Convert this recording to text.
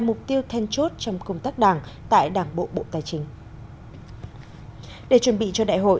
mục tiêu then chốt trong công tác đảng tại đảng bộ bộ tài chính để chuẩn bị cho đại hội